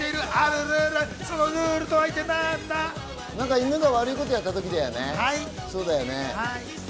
犬が悪いことやったときだよね？